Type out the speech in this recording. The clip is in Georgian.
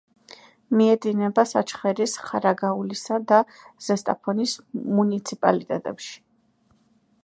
მიედინება საჩხერის, ხარაგაულისა და ზესტაფონის მუნიციპალიტეტებში.